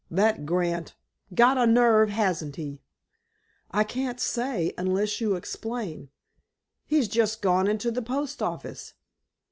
"That Grant. Got a nerve, hasn't he?" "I can't say, unless you explain." "He's just gone into the post office."